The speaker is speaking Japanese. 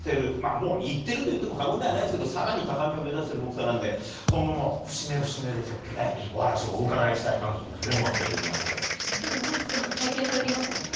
もう、行っているといっても過言じゃないですがさらに高みを目指してるボクサーなので今後も節目、節目でお話をワンツーも体験されていましたもんね。